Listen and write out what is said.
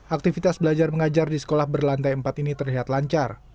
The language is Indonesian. aktivitas belajar mengajar di sekolah berlantai empat ini terlihat lancar